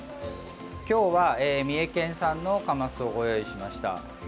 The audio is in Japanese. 今日は三重県産のカマスをご用意しました。